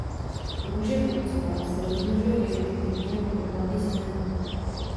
Růže Woodsova se rozmnožuje vegetativně nebo pohlavně semeny.